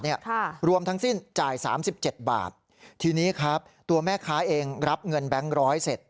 ค่ะรวมทั้งสิ้นจ่ายสามสิบเจ็ดบาททีนี้ครับตัวแม่ค้าเองรับเงินแบงค์ร้อยเสร็จ